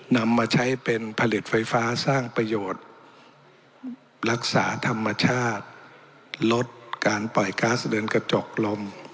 นำมาใช้เป็นผลิตไฟฟ้าสร้างประโยชน์รักษาธรรมชาติลดการปล่อยก๊าซเรือนกระจกลม